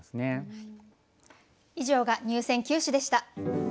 以上が入選九首でした。